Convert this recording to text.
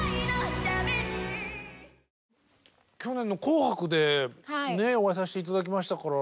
去年の「紅白」でお会いさせて頂きましたから。